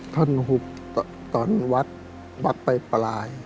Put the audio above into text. ท่อนหุบตอนวัดไปปราย